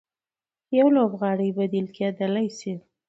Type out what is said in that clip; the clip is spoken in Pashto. يو لوبغاړی بديل کېدلای سي.